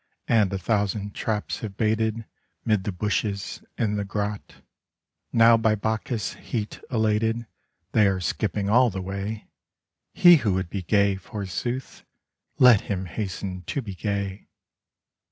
And a thousand traps have baited Mid the bushes, in the grot ; Now by Bacchus* heat elated They are skipping all the way : He who would be gay, forsooth, Let him hasten to be gay.